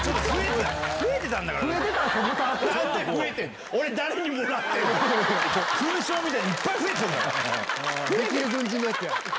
できる軍人のやつや。